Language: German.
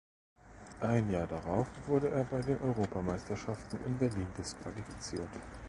Ein Jahr darauf wurde er bei den Europameisterschaften in Berlin disqualifiziert.